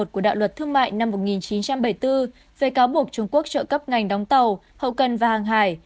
của đạo luật thương mại năm một nghìn chín trăm bảy mươi bốn về cáo buộc trung quốc trợ cấp ngành đóng tàu hậu cần và hàng hải